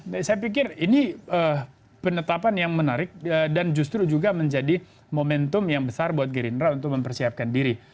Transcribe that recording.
saya pikir ini penetapan yang menarik dan justru juga menjadi momentum yang besar buat gerindra untuk mempersiapkan diri